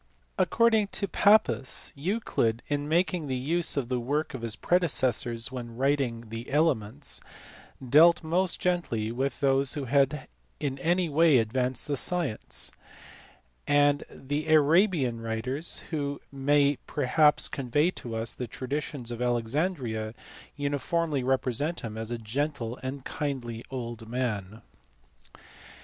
According to Pappus^ Euclid, in making use of the work of his predecessors when writing the Elements, dealt most gently with those who had in any way advanced the science: and the Arabian writers, who may perhaps convey to us the traditions of Alexandria, uniformly represent him as a gentle and kindly old man.